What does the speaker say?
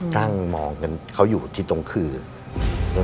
นั่งมองกันเขาอยู่ที่ตรงขื่อ